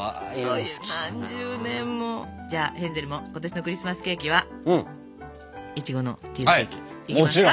じゃあヘンゼルも今年のクリスマスケーキはいちごのチーズケーキいきますか？